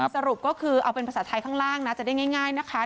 สรุปก็คือเอาเป็นภาษาไทยข้างล่างนะจะได้ง่ายนะคะ